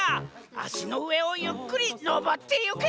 あしのうえをゆっくりのぼってゆけ！